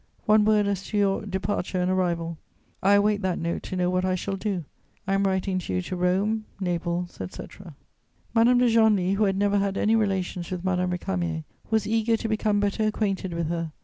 One word as to your departure and arrival. I await that note to know what I shall do. I am writing to you to Rome, Naples, etc." [Sidenote: Madame de Genlis.] Madame de Genlis, who had never had any relations with Madame Récamier, was eager to become better acquainted with her.